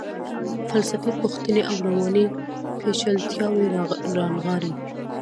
فلسفي پوښتنې او رواني پیچلتیاوې رانغاړي.